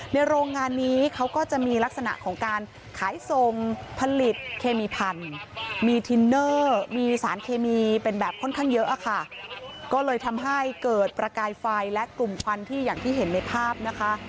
โรงงานนี้เขาก็จะมีลักษณะของการขายทรงผลิตเคมีพันธุ์มีทินเนอร์มีสารเคมีเป็นแบบค่อนข้างเยอะอะค่ะก็เลยทำให้เกิดประกายไฟและกลุ่มควันที่อย่างที่เห็นในภาพนะคะ